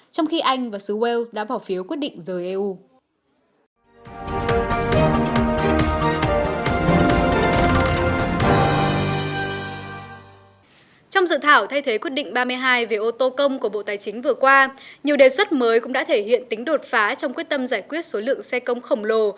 trong khi anh và xứ wales đã bỏ phiếu quyết định rời eu